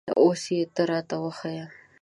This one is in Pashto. اوس یې ته را ته وښیه